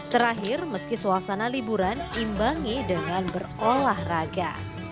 terakhir meski suasana liburan imbangi dengan berolahraga